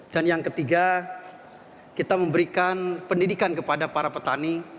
dan yang ketiga kita memberikan pendidikan kepada para petani